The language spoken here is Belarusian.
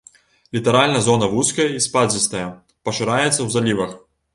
Літаральная зона вузкая і спадзістая, пашыраецца ў залівах.